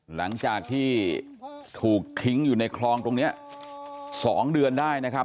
หลังจากที่ถูกทิ้งอยู่ในคลองตรงนี้๒เดือนได้นะครับ